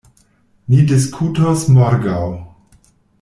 Ni diskutos morgaŭ.